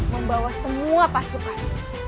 membawa semua pasukan